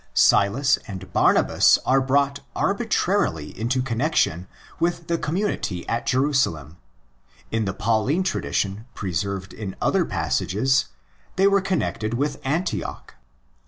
Silas and Barnabas are 90 THE ACTS OF THE APOSTLES brought arbitrarily into connexion with the com munity at Jerusalem; in the Pauline tradition, preserved in other passages, they were connected with Antioch.